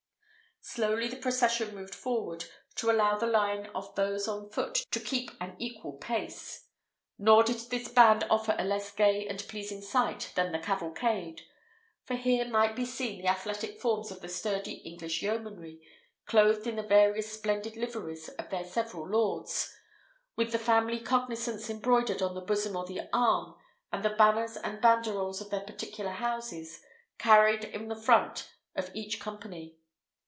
Slowly the procession moved forward, to allow the line of those on foot to keep an equal pace. Nor did this band offer a less gay and pleasing sight than the cavalcade; for here might be seen the athletic forms of the sturdy English yeomanry, clothed in the various splendid liveries of their several lords, with the family cognizance embroidered on the bosom or the arm, and the banners and banderols of their particular houses carried in the front of each company.